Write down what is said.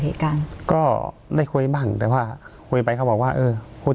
เหตุการณ์ก็ได้คุยบ้างแต่ว่าคุยไปเขาบอกว่าเออพูด